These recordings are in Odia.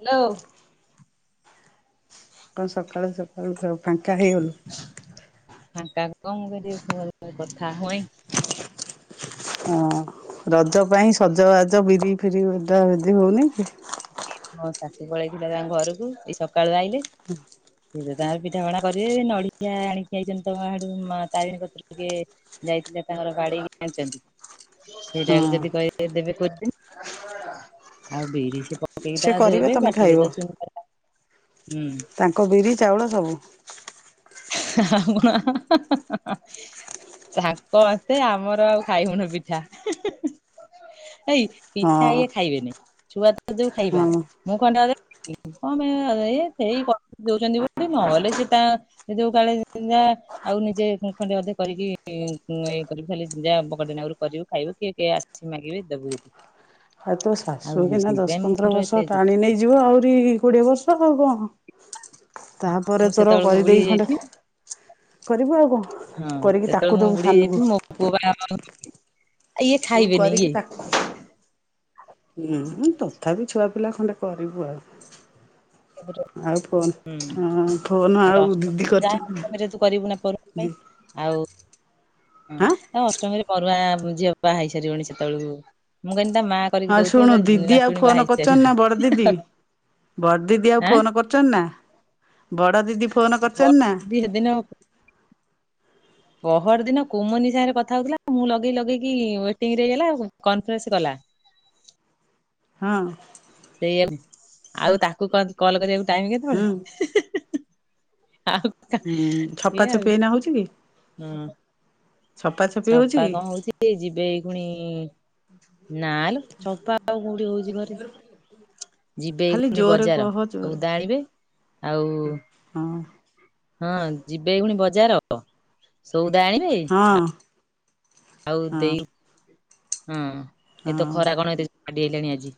ହ୍ୟାଲୋ କଣ ସକାଳୁ ସକାଳୁ ଫାଙ୍କା ହେଇଗଲୁ ଫାଙ୍କା କଣ ମୁଁ କହିଲି ଟିକି ଭଲ କଥା ହୁଏଁ ହଁ ରଜ ପାଇଁ ସଜବାଜ ବିରି ଫିରି ବେଧା ବେଧୀ ହଉନି କି ହଁ ଶାଶୁ ପଳେଇଥିଲା ତାଙ୍କ ଘରକୁ ଏଇ ସକାଳୁ ଆଇଲେ ସେ ତ ତାଙ୍କ ପିଠା ପଣା କରିବେ ନଡିଆ ଆଣିକି ଆଇଛନ୍ତି ତାଙ୍କ ଆଡୁ ତାରିଣୀ ପାଖରୁ ଟିକେ ଯାଇଥିଲେ ତାଙ୍କର ବାଡେଇ କି ଆଣିଛନ୍ତି ହଁ ସେଇଟାକୁ ଯଦି କହିବେ ଦେବେ କୋରି ଆଉ ବିରି ସେ ସିଏ ସେ ତାଙ୍କ କରିବେ ଧୋଇବେ ତମେ ବାଟିବେ ଖାଇବ ତ ଚୁ ହୁଁ ତାଙ୍କ ବିରି ଚାଉଳ ସବୁ [inaudible] ତାଙ୍କ ମାସେ ଆମର ଆଉ ଖାଇବୁନି ପିଠା ଏଇ ପିଠା ହଁ ଇଏ ଖାଇବେନି ଛୁଆ ତ ଯୋଉ ଖାଇବା ହଁ ମୁଁ ଖଣ୍ଡେ ଅଧେ ହ ସେଇ ଦଉଛନ୍ତି ବୋଲି ନହେଲେ ସେ ତା ସେ ଯୋଉ କାଳେ ଯା ଆଉ ନିଜେ ଖଣ୍ଡେ ଅଧେ କରିକି ଇଏ କରିବି ଖାଲି ଯାହା ବକେଟ ଆରୁ କରିବୁ ଖାଇବୁ କିଏ କିଏ କିଏ ଆସିବେ ସିଏ ମାଗିବେ ଦବୁ ଆଉ ତୋ ଶାଶୁ କିନା ଦଶ ପନ୍ଦର ବର୍ଷ ଏତେ ଟାଣି ନେଇଯିବ ଆହୁରି କୋଡିଏ ବର୍ଷ ଆଉ କଣ ତାପରେ ମୁଁ ତୋର ସେତେବେଳକୁ ବୁଢୀ କରିଦେଇ ଖଣ୍ଡେ ହେଇଯାଇଥିବି କରିବୁ ଆଉ କଣ ହଁ କରିକି ତାକୁ ସେତେବେଳେ ମୁଁ ଦବୁ ବୁଢ଼ି ସାନକୁ ହେଯାଇଥିଵି ମୋ ପୁଅ ବାହାଘର ଆ ଆଉ ଇଏ ତୁ ଖାଇବେନି କି କରିକି ତାକୁ ହୁଁ ତଥାପି ଛୁଆ ପିଲା ଖଣ୍ଡେ କରିବୁ ଆଉ। ଆ ହୁଁ ଆଉ ଫୋନ୍ ହଁ ଫୋନ୍ ଆଉ ଦିଦି ଅଷ୍ଟମୀ କରିଛନ୍ତି ଯାହେଲେ କରିବୁ ପରୁଆଁ ଦି ପାଇଁ ଆଉ ହୁଁ ହାଁ ତା ଅଷ୍ଟମୀରେ ପରୁଆଁ ଝିଅ ବା ହେଇ ସାରିବଣି ସେତେବେଳକୁ ମୁଁ କହିଲି ତା ମା କରିକି ହ ଦଉଥିବ ଶୁଣୁ ତା ଦିଦି ଆଉ ନାତୁଣୀ ବାହା ଫୋନ ହେଇ କରୁ ଚନ୍ତି ସାରିବଣି ନା ବଡ ଦିଦି? ବଡ ଦିଦି ଆଉ ଆଁ। ଫୋନ କରଚନ୍ ନା ବଡ ଦିଦି ଫୋନ କରଚନ୍ ନା? ଦି ଦିନ ପହର ଦିନ କୁମୁନି ସାଙ୍ଗରେ କଥା ହଉଥିଲା ମୁଁ ଲଗେଇ ଲଗେଇକି ୱେଟିଂରେଲା କନଫରେନ୍ସ କଲା। ହୁଁ। ସେଇଆ ଆଉ ତାକୁ କଲ କରିବାକୁ ଟାଇମ ହୁଁ କେତଳେ? ଆଉ କା ହୁଁ ଛପା ଏ ଆଉ ଛପି ଏଇନା ହଉଛି କି ହୁଁ। ଛପା ଛପି ହଉଛି ସପା କି କଁ ହଉଚି ଯିବେ ଏଇ ଖୁଣି। ନା ଲୋ ଚପା ଆଉ କୋଉଠି ହଉଚି ଘରେ। ଯିବେ ଏଇ ଖାଲି ଖୁଣି ଜୋରରେ ବଜାର କହ ଜୋରେ ସଉଦା ଆଣିବେ ଆଉ ହଁ ହଁ ଯିବେ ଏଇ ଖୁଣୀ ବଜାର ସଉଦା ଆଣି। ହଁ। ଆଉ ହଁ ଦେଇ ହଁ ଏତ ହଁ ଖରା କଣ ଏତେ ଜୋ ମାଡି ଆଇଲାଣି ଆଜି।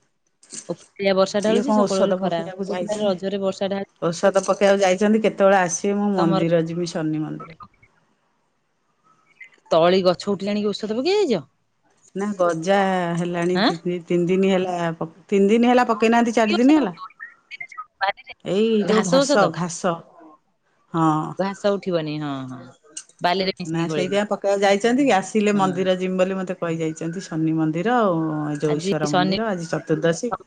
ଓଆ ବର୍ଷା ଇଏ ଢାଳୁଚି କଣ ସକଳ ଔଷଧ ଓଳି ଖରା ପକେଇବାକୁ କଉଥିଲା ଯାଇଛନ୍ତି ରଜରେ ବର୍ଷା ଢା ଔଷଧ ପକେଇବାକୁ ଯାଇଚନ୍ତି କେତେବେଳେ ଆସିବେ ମୁଁ ତମର ମନ୍ଦିର ଯିବି ଶନି ମନ୍ଦିର। ତଳି ଗଛ ଉଠିଲାଣିିକି ଔଷଧ ପକେଇଯାଇଚ? ନା ଗଜା ହେଲାଣି ତିନି ଦିନ ହେଲା ତିନି ଦିନ ହେଲା ପ କେଇନାହାନ୍ତି କି ଔଷଧ ଚାରିଦିନି ହେଲା? ପକେଇବ ବାରିରେ ଏଇ ଯୋଉ ଘାସ ଘାସ ହଁ। ଘାସ ଉଠିବନି ହଁ ହଁ। ବାଲିରେ ମିଶେଇକି ନା ଗୋଳେଇକି ସେଇତିପାଇଁ ପକେଇବା ଯାଇଚନ୍ତି କି ଆସିଲେ ହଁ ମନ୍ଦିର ଜିମ ବୋଲି ମତେ କହି ଯାଇଚନ୍ତି ଶନି ମନ୍ଦିର ଆଉ। ଯଉ ଆଜି ଇଶ୍ୱର ଶନି ମନ୍ଦିର ଆଜି ଚତୁର୍ଦ୍ଦଶ [inaudible] ସବୁ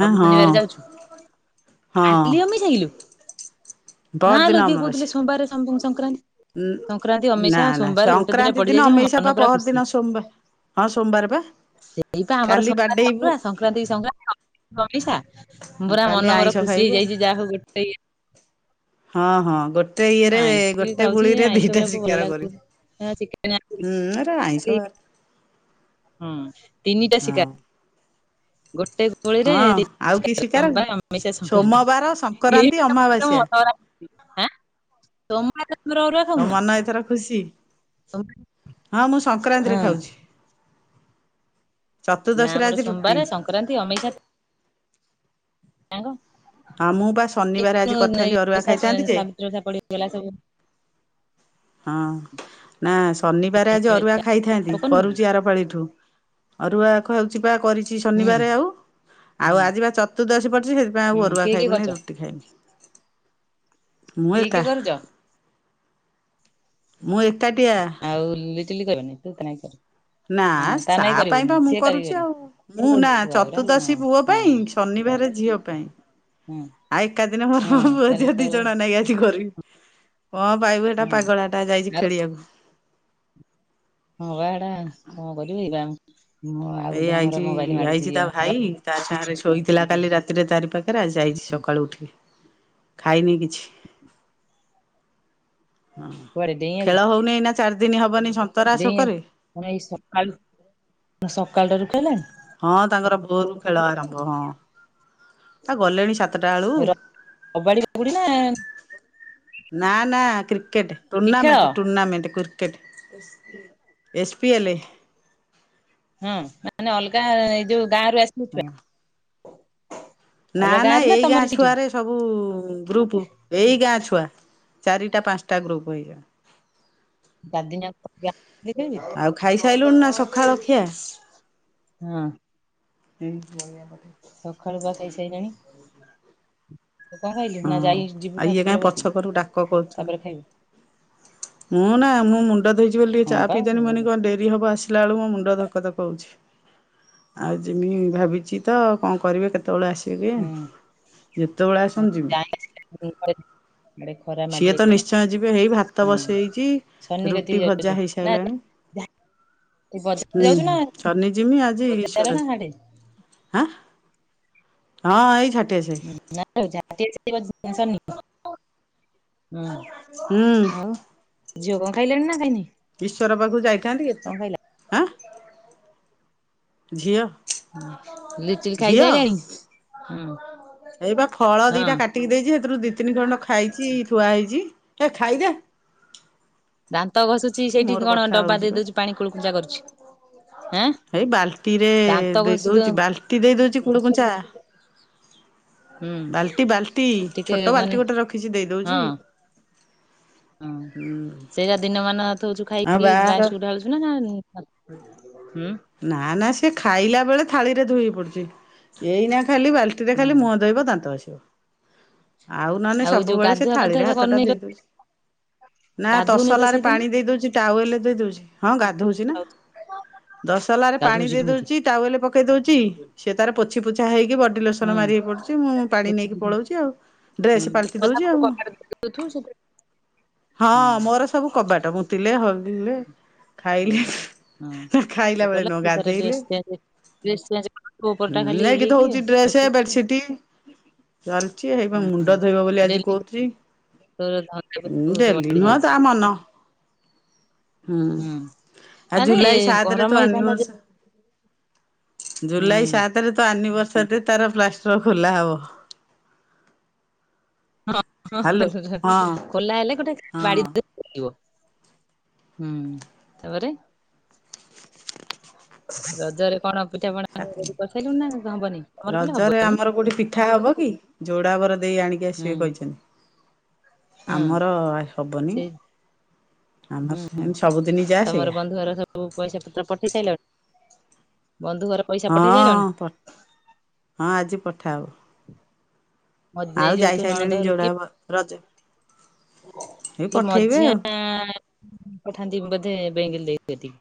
ହଁ ହଁ ଶନିବାର ଯାଉଚୁ, ହଁ କାଲି ଅମେଶା କିଲୋ? ନାଁ ପହରଦିନ ଲୋ କିଏ କହୁଥିଲେ ସୋମବାର [inaudible] ସଂକ୍ରାନ୍ତି। ସଂକ୍ରାନ୍ତି ଉଁ ନା ଅମେଇସା ନା ସୋମବାର ଗୋଟେ ସଂକ୍ରାନ୍ତି ଦିନ ପଡିଯାଇଛି ମୋ ଅମେଇଷା ମନ ପା ପୁରା ପହର ଖୁସି ଦିନ ସୋମବା ହଁ ସୋମବାର ପା ଏଇ ପା ଆମର କାଲି ସୋମବାର ବାଡେଇବୁ। ସଂକ୍ରାନ୍ତି ସଂକ୍ରାନ୍ତି ଅମିଶା ଆଉ ପୁରା କାଲି ମନ ମର ଆଇଁଷ ଖୁସି ଖାଇବୁ ହେଇଯାଇଚି ଯାହା ହଉ ଗୋଟେ ଇ ହଁ ହଁ ଗୋଟେ ଇଏରେ ଆଇଁଷ ବି ଗୋଟେ ଖାଉଛି ଗୁଳିରେ ଆଇଁଷ ଦିଟା ଗୁରାକ ଭଲ ଶିକାର ଲାଗୁଥିଲା କରିବୁ। ଚିକେନ ହଁ ହୁଁ ଏରା ଆଇଁସ ବାର। ହୁଁ ତିନିଟା ହଁ ଶିକାର। ଗୋଟେ ଗୁ ଦିଟା ହଁ ଆଉ କି ଶିକାର କି ସୋମବାର ଅମେସା ସଂକ୍ରାନ୍ତି ସୋମବାର ଏଇ ସଂକ୍ରାନ୍ତି [inaudible] ଆଁ ଅମାବାସ୍ୟା ସୋମବାର [inaudible] ଅରୁଆ ତମ ଖାଉନା? ମନ ଏଥର ଖୁସି। ହଁ [inaudible] ମୁଁ ସଂକ୍ରାନ୍ତିରେ ଖାଉଛି ହଁ। ନା ଚତୁର୍ଦ୍ଦଶୀରେ ଆମର ଆଜି ରୁଟି ସୋମବାର ସଂକ୍ରାନ୍ତି ଅ ମେଷା [inaudible] ହଁ ମୁଁ ବା ଶନିବାର ଆଜି କରିଥାନ୍ତି ଅରୁଆ ଖାଇଥାନ୍ତି ଯେ ସାବିତ୍ରୀ ଓଷା ପଡିଗଲା ସବୁ। ହଁ ନା ଶନିବାର ଆଜି ଅରୁଆ ଖାଇଥାନ୍ତି କରିନୁ କି କରୁଚି ଆରପାଳିଠୁ। ଅରୁଆ ଖାଉଚି ପା କରିଚି ହୁଁ ଶନିବାର ଆଉ। ଆଉ ହୁଁ ଆଜି ବା ଚତୁର୍ଦସି ପଡଚି ହୁଁ ସେଥିପାଇଁଆଉ ଅରୁଆ କିଏ କିଏ ଖାଇବୁନି କରୁଛ ରୁଟି ଖାଇମି। କିଏ କିଏ ମୁଁଏକା। କରୁଛ ମୁଁ ଏକାଟିଆ। ଆଉ ଲିଟିଲି କରିବନି ତୁ [inaudible] ନା ହଁ ତା ନାଇଁ ପାଇଁ କରିବୁନୁ ବା ମୁଁ ସିଏ କରୁଚି କରିବନି ଆଉ ମୁଁ ନା ଛୁଆଗୁରା ହଁ ଚତୁର୍ଦ୍ଦଶୀ ପୁଅ ହଁ ପାଇଁ। ଶନିବାରେ ଝିଅ ପାଇଁ ହଁ ଆଈ କନ୍ଦିଲା ମୋର [inaudible] ହଁ ବାବୁଅ ତାହେଲେ ଦିଅ ଦି ତୋର ଜଣ ନାଇଁ ଆଜି କରିବି। କଁ ପାଇବୁ ଏଟା ହଁ ପାଗଳା ଟା ଯାଇଚି ଆଉ ଖେଳିଆକୁ। ହଁ ବା ଏଟା କଣ କରିବି ବା ମୁଁ ଆଉ ଏଇ ଗୋଟେ ଆଇଛି ଆମର ମୋବାଇଲ୍ ଆଇଛି ମାଡୁଛି ଆମର। ତା ସାଙ୍ଗେରେ ଶୋଇଥିଲା କାଲି ରାତିରେ ତାରି ପାଖେରେ ଆଜି ଯାଇଛି ସକାଳୁ ଉଠିକି ଖାଇନି କିଛି। ହଁ କୁଆଡେ ଖେଳ ହଉନି ଏଇନା ଚାରି ଦିନି ହବନି ସ ଦେଇ ଆଉ ଏଇ ସକାଳୁ ସକାଳୁଟାରୁ ଉଠେଇଲେଣି ହଁ ତାଙ୍କର ଭୋରୁ ଖେଳ ଆରମ୍ଭ ହଁ। ତଟା ବେଳୁ ର କବାଡି ବାଗୁଡି ନା ନା ନା କ୍ରିକେଟ୍। କି ଖେଳ tournament tournament cricket S P L. ହଁ ମାନେ ଅଲ୍ ଗା ଏ ଯୋଉ ଗାଁ ରୁ ଆସି ହଁ। ନା ଅଲଗା ନା ରୁ ଏଇ ଗାଁ ତମରି ସେଇଠୁ ଛୁଆରେ ସବୁ ଗ୍ରୁପୁ ଏଇ ଗାଁ ଛୁଆ ଚାରିଟା ପାଞ୍ଚଟା ଗ୍ରୁପୁ ହେଇ ଗଲେଣି। [unintelligible] ଆଉ ଖାଇସାରିଲୁଣି ନା ସକାଳ ଖିଆ? [inaudible] ହଁ। ହୁଁ। ସଖାଳୁ ପା ଖାଇସାଇଲାଣି। କଣ ଖାଇଲୁ ହଁ ନା ଯାଇ ଯିବୁ ଆଉ ଇଏ କାହିଁ ପଛ ଠାକୁରବତୀ କରକୁ ଡାକ କରୁଛନ୍ତି। ତାପରେ ଖାଇବୁ। ମୁଁ ନା ମୁଁ ମୁଣ୍ଡ ଧୋଇଛି ବୋଲି ଟିକେ ହଁ ଚା ବା ପିଇଦେନି ଭଲ ମନି କଣ ଡେରି ହବ ଆସିଲା ବେଳକୁ ମୋ ମୁଣ୍ଡ ଧକ୍ ଧକ୍ ହଉଛି। ଆଉ ଯେମି ଭାବିଛି ତ କଣ କରିମି କେତେବଳେ ଆସିବି। ହୁଁ ଯେତେବଳେ ଆସନ୍ତ ଯିବି। ଆଡେ ଖରା ମାଡି ସିଏ ତ ଆଇଲାଣି ନିଶ୍ଚୟ ଯିବେ ହେଇ ଭାତ ବସ୍ ହୁଁ ସେଇଚି ଶନି କତିକି ରୁଟି ଯାଉଛୁ ଭଜା ନା ହେଇସାଇଲାଣି। ବଜାର ଯାଉଛୁ ହୁଁ। ନା ବଜାର ନା ହାଡେ ଆାଁ ହଁ ଏଇ ଝାଟିଆ ସାଇ। [inaudible] ହଁ। ହୁଁ। ଆଉ ଝିଅ କଣ ଖାଇଲାଣି ନା ଖାଇନି? ଈଶ୍ୱର ପାଖୁ ଯାଇଥାନ୍ତି ଏ ତ କଣ ଖାଇଲା? ଲିଚୁ ଖାଇସାଇଲାଣି? ଏଇ ବା ଫଳ ହଁ ଦିଟା କା ଟିକି ଦେଇଛି ସେଥିରୁ ଦି ତିନି ଖଣ୍ଡ ଖାଇଚି ଥୁଆ ହେଇଚି। ଦାନ୍ତ ଘଷୁଚି ସେଇଠି କଣ କଥା ଡବା ହଉଛି ବା ଦେଇଦଉଚି ପାଣି କୁଳୁକୂଚା କରୁଛି। ଏଇ ବାଲ୍ଟିରେ ଦାନ୍ତ ଦେଇ ଘଷି ଦଉ ଦଉଚି ବାଲ୍ଟି ଦେଇ ଦଉଚି କୁଳୁକୂଚାଁ। ହୁଁ ବାଲ୍ଟି ବାଲ୍ଟି ଟିକେ ଛୋଟ ମାନେ ବାଲ୍ଟି ଗୋଟେ ରଖିଛି ହଁ ଦେଇଦଉଛି। ଆଉ ହଁ। ବାହାର ହୁଁ। ନା ନା ସେ ଖାଇଲା ବେଳେ ଥାଳିରେ ଧୋଇ ପଡୁଚି ଏଇନା ଖାଲି ବାଲ୍ ଟିରେ ଖାଲି ହୁଁ ମୁହଁ ଧୋଇବ ଦାନ୍ତ ଘସିବ। ଆଉ ନହେଲେ ଯୋଉ ସବୁବେଳେ ସେ ଗାଧୁଆ ପାଧୁଆ ଥାଳିରେ ହାତ କରିନି ଟା ଲୋ ଧୋଇଦଉଚି। ନା ଗାଧଉନି ତ ତସଲାରେ ସେଇଦିନ। ପାଣି ଦେଇ ଦଉଚି ଟାୱେଲ୍ ଦେଇ ଦେଉଚି ତସଲା ରେ ପାଣି ଗାଧଉଛି ଦେଇ କେମିତି? ଦଉଚି ଟୱେଲ୍ ପକେଇ ଦଉଚି ସିଏ ତାର ପୋଛି ପୋଛା ହେଇକି ବ ଡି ଲୋସନ୍ ମାରି ହେଇ ପଡୁଛି ମୁଁ ପାଣି ନେଇକି ପଳଉଛି ଆଉ ହୁଁ ଡ୍ରେସ୍ ପାଲ୍ ଟି ଦଉଛି ଆଉ। ହଁ ସେ ହଁ ମୋର ସବୁ କବାଟ। ମୁତିଲେ, ହଗିଲେ, ଖାଇଲେ ହଁ ଖାଇଲା ମୁଁ ବେଳେ କହିଲି ନୁହଁ ତୁ ତର ଗାଧେଇଲେ ଡ୍ରେସ ଚେଞ ଡ୍ରେସ୍ ଚେଞ୍ଜ କରୁ ଦେବୁ ଉପରଟା ଖାଲି ଓଲ୍ହେଇକି ଆଉ। ଟେ ବସିକି ବେଡସିଟ, ଧରିଛି ଏଇବା ମୁଣ୍ଡ ଧୋଇବ ବୋଲି ଆଜି ଡେଲି କହୁଛି। [unintelligible] ବହୁତ ଡେଲି ବଢି ନୁହଁ ଯାଇଛି। ତା ମନ। ହୁଁ। ଆଉ ଆରେ ଜୁଲାଇ ସାତରେ ତ ଗରମ ହେଇଥାନ୍ତା ଯେ ଆନିଭର୍ସରୀ ହୁଁ। ଜୁଲାଇ ସାତରେ ତୋ ଆନିଭର୍ଶ ର୍ଶାରିରେ ତାର ପ୍ଲାଷ୍ଟର ଖୋଲା ହେବ। ହଁ ହ୍ୟାଲୋ ହଁ [unintelligible] ଖୋଲା ହେଲେ ଗୋଟେ ହଁ ଧରି ବୁଲିବ। ହୁଁ। ତାପରେ ରଜରେ କଣ ପିଠାପଣା ରେଡି କରିସାରିଲୁଣି ନା ହବନି ତମର ପିଲା ରଜରେ ହବନି? ଆମର ଗୋଟେ ପି ଠା ହବ କି? ଯୋଡ଼ା ବର ଦେଇ ଆଣିକି ହୁଁ ଆସିବେ କହିଛନ୍ତି। ହୁଁ ଆମର ହବନି। ସେ ଆମର ହୁଁ ସେନ୍ତି ସବୁଦିନି ଯାହା ତମର ସେୟା। ବନ୍ଧୁ ଘର ସବୁ ପଇସା ପତ୍ର ପଠେଇ ସାରିଲଣି? ବନ୍ଧୁ ଘର ପଇସା ପଠେଇ ସାରିଲଣି? ହଁ ପ ହଁ ଆଜି ପଠାହବ। ମ ଆଉ ଦେଇଯିବୁ ତୋ ନଣନ୍ଦ ଯାଇସାରିଲେଣି ଘରକୁ କେ ଯୋଡ଼ାବ ରଜ ଏଇ କିଏ ପଠେଇବେ ମଝିଆ ଆଉ। ଆଁ ପଠାନ୍ତି ବୋଧେ ବେଙ୍ଗୁଲି ଦେଇ କତିକି?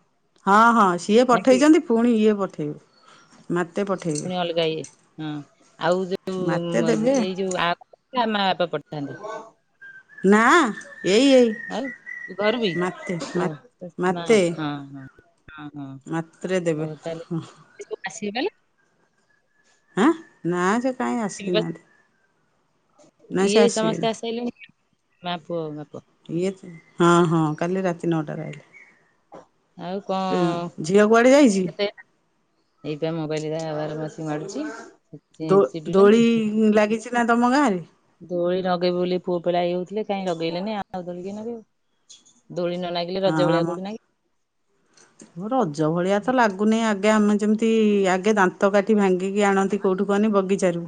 ହଁ ହଁ ସିଏ ନା କିଏ ପଠେଇଛନ୍ତି, ପୁଣି ଇଏ ପଠେଇବେ। ମାତେ ପଠେଇବେ। ପୁଣି ଅଲଗା ଇଏ ହଁ ଆଉ ମାତେ ଯୋଉ ଦେବେ ଏଇ ଯୋଉ ଆ ଶ୍ୟାମା ବାପା ପଠାନ୍ତି। ନା ଏଇ ଏଇ। ଆଉ ଘରୁ ବି ମାତେ ମା ହୁ ନା ମାତେ ହ ହଁ। ହଁ ହଁ ମାତ୍ରେ ଦେବେ। ହଉ ତାହଲେ ଆସିଲା ଲେ ହଁ ନା ସେ କାହିଁ ଆସିନାହାଁନ୍ତି। ଇଏ ସମସ୍ତେ ଆସି ସାଇଲେଣିି, ମା ପୁଅ ଯାକ। ଇଏ ହଁ ହଁ, କାଲି ରାତି ନଅଟାରେ ଆଇଲେ। ଆଉ ତୋ କଣ ଝିଅ କୁଆଡେ ଯାଇଛି? ଏଇ ବା ମୋବାଇଲ ତା ବାବାର ବସି ମାଡୁଛି। ଚିଡୁଛନ୍ତି ଦୋ-ଦୋଳି ଲାଗିଛି ନା ତମ ଗାଁରେ? ଦୋଳି ନଗେଇବେ ବୋଲି ପୁଅ ପିଲା ଇଏ ହଉଥିଲେ କାହିଁ ଲଗେଇଲେନି, ଆଉ ଦୋଳି କିଏ ନଗେଇବେ। ଦୋଳି ନ ନାଗି ହଁ ଆମ ରଜ ଭଳିଆ ତ ଲାଗୁନି ଆଗେ ଆମେ ଯେମିତି ଆଗେ ଦାନ୍ତ କାଟି କାଠି ଭାଙ୍ଗିକି ଆଣନ୍ତି କୋଉଠୁ କୁହନି ବଗିଚାରୁ।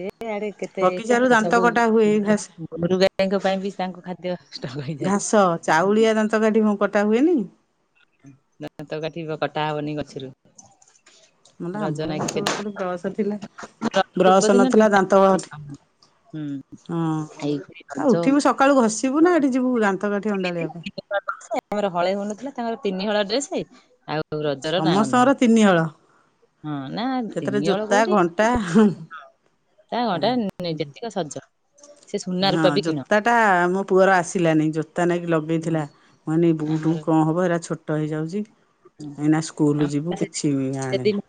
ଏ ଆଡେ କେତେ ବଗିଚାରୁ ଦାନ୍ତ ସବୁ କଟା ହୁଏ ଘାସ ଗୋରୁଗାଈଙ୍କ ପାଇଁ ବି ତାଙ୍କ ଖାଦ୍ୟ ଦ୍ୟ ଷ୍ଟକ୍ ହେଇ ଘାସ, ଚାଉଳିଆ ଦାନ୍ତକାଠି ମୁଁ କଟା ହୁଏନି? ଦାନ୍ତ କାଠି କଟା ହବନି ଗଛରୁ। ମଲା ରଜ ଆମର ନାଗି ସେତେବେଳେ କୋଉଠି ବ୍ରସ ଥିଲା, ପୂର୍ବ ବ୍ରସ ଦିନ ନଥିଲା ଦାନ୍ତ ବଳ ହୁଁ ଏଇ କରଜ ଉଠିବୁ ସକାଳୁ ଘଷିବୁ ନା ଏଠି ଯିବୁ ଦାନ୍ତକାଠି ଅଣ୍ଡାଳିିବା ପାଇଁ। [unintelligible] ଆମର ହଳେ ହଉ ନଥିଲା, ତାଙ୍କର ତିନି ହଳ ଡ୍ରେସ। ଆଉ ରଜର ନାଁ ଗନ୍ଧ ନାହିଁ। ସମସ୍ତଙ୍କର ତିନି ହଳ। ହଁ ନା ନାଇଁ ସେଥିରେ ତିନି ହଳ ଜୋତା କୋଉଠି? ଘଣ୍ଟା ହଁ ତା [unintelligible] ଯେତିକ ସଜ। ସେ ସୁନା ହଁ ରୂପା ବି କିଣ ଜୋତାଟା ମୋ ପୁଅର ଆସିଲାନି ଜୋତା ନେଇକି ଲଗ ହୁଁ ଗେଇଥିଲା କହନି, ବୁଟୁ ଆମର କଣ ହବ ଏଇରା ଛୋଟ ହେଇଯାଉଛି। ଏଇନା ସ୍କୁଲ ଯିବୁ କିଛି ବି ଆଣେନା।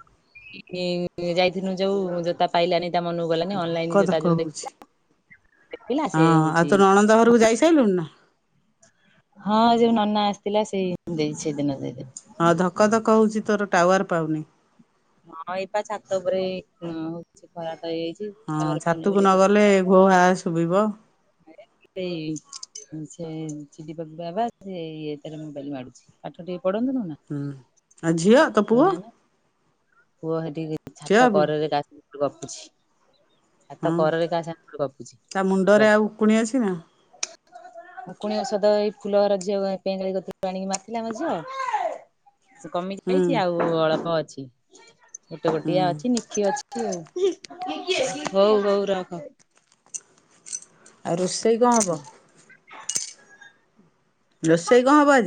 [inaudible] ଯାଇଥିନୁ ଯୋଉ ଜୋତା ପାଇଲାନି ତା ମନକୁ। ଗଲାନି ଅନଲାଇନ ଜୋତା ଧକଧକ ଯୋଉ ହଉଛି। ଦେଖିଲା ସେ ହଁ ଆଉ ହଉଛି ତୋ ନଣନ୍ଦ ଘରକୁ ଯାଇ ସାଇଲୁଣୁ ନା? ହଁ ଯୋଉ ନନା ଆସିଥିଲା ସେଇ ଦେଇ ସେଦିନ ଦେଇଦେଲି। ହଁ ଧକଧକ ହଉଛି ତୋର ଟାୱାର ପାଉନି। ହଁ ଏଇପା ଛାତ ଉପରେ [unintelligible] ଖରା ତ ହେଇଯାଇଚି। ହଁ ଛାତକୁ ନ ଗଲେ ଘୋହା ଶୁଭିବ। [unintelligible] ସେ ଇଏ ତାର ମୋବାଇଲି ମାଡୁଛି। ପାଠ ଟିକେ ପଢ଼ନ୍ତୁନୁ ନା। ହୁଁ ଆଉ ଝିଅ ତୋ ପୁଅ ନା ନା ପୁଅ ହେଠିି ଝିଅ ଛାତ ବି କରରେ କା ଗପୁଛି ଛାତ ହଁ କରରେ କାହା ସାଙ୍ଗରେ ଗପୁଚି। ତା ମୁଣ୍ଡରେ ଆଉ ଉକୁଣି ଅଛି ନା? ଉକୁଣି ଔଷଧ ଏଇ ଫୁଲର ଝିଅ [unintelligible] ଆଣିକି ମାଖୀଲା ମୋ ଝିଅ। ସେ କମି ହୁଁ ଯାଇଛି ଆଉ ଅଳପ ଅଛି। ଗୋଟେ ଗୋଟିଆ ହୁଁ ଅଛି ନିଖି ଅଛି। [inaudible] ହଉ ହଉ ରଖ। ଆଉ ରୋଷେଇ କଣ ହେବ? ରୋଷେଇ କଣ ହବ ଆଜି?